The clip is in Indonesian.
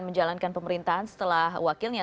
menjalankan pemerintahan setelah wakilnya